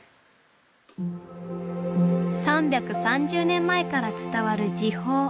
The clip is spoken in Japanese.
３３０年前から伝わる寺宝。